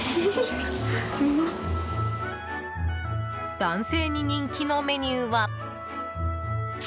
男性に人気のメニューは。